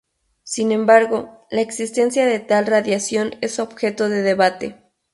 Sin embargo, la existencia de tal radiación es objeto de debate.